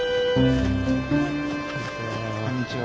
こんにちは。